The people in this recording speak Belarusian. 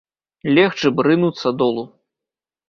Легчы б, рынуцца долу.